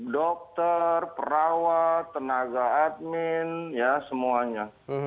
dokter perawat tenaga admin ya semuanya